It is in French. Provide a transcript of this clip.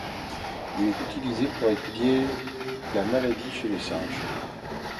Il est utilisé pour étudier la maladie chez le singe.